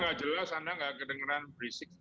orangnya tidak jelas anda tidak kedengeran berisik